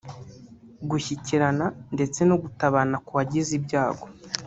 gushyigikirana ndetse no gutabarana ku wagize ibyago